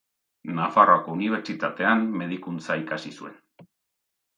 Nafarroako Unibertsitatean medikuntza ikasi zuen.